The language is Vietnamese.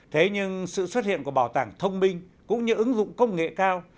thế nhưng sự xuất hiện của bảo tàng thông minh cũng như ứng dụng công nghệ cao